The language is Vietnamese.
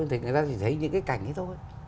thì người ta chỉ thấy những cái cảnh ấy thôi